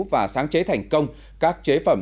và sáng chế thành công các chế phẩm